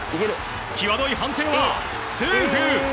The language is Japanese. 際どい判定はセーフ。